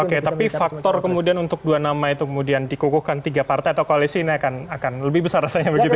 oke tapi faktor kemudian untuk dua nama itu kemudian dikukuhkan tiga partai atau koalisi ini akan lebih besar rasanya begitu ya